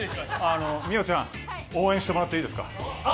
美桜ちゃん、応援してもらっていいですか。